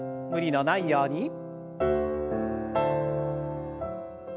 無理のないように。